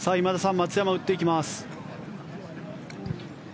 松山、打っていきます。